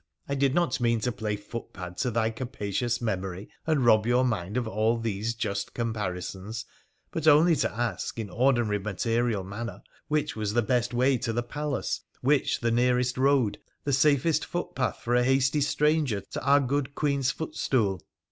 I did not mean to play footpad to thy capacious memory, and rob your mind of all these just comparisons, but only to ask, in ordinary material manner, which was the best way to the palace, which the nearest road, the safest footpath for a hasty stranger to our good Queen's footstool.